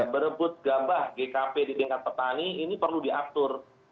berebut gabah gkp di tingkat petani ini perlu diatur